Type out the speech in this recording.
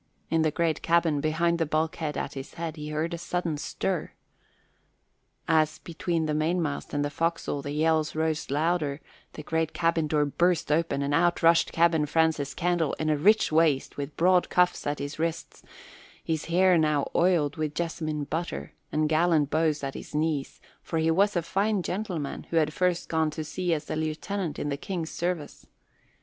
In the great cabin, behind the bulkhead at his back, he heard a sudden stir. As between the mainmast and the forecastle the yells rose louder, the great cabin door burst open and out rushed Captain Francis Candle in a rich waist with broad cuffs at his wrists, his hair new oiled with jessamine butter, and gallant bows at his knees, for he was a fine gentleman who had first gone to sea as a lieutenant in the King's service.